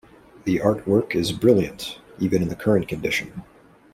The art work is brilliant even in the current condition.